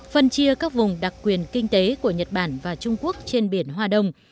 phân chia các vùng đặc quyền kinh tế của nhật bản và trung quốc trên biển hoa đông